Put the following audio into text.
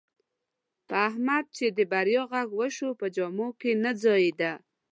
په احمد چې د بریا غږ وشو، په جامو کې نه ځایېدا.